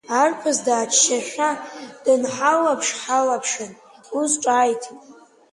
Арԥыс дааччашәа, дынҳалаԥшаҳалаԥшын ус ҿааиҭит…